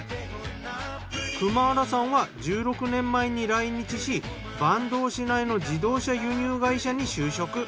クマーラさんは１６年前に来日し坂東市内の自動車輸入会社に就職。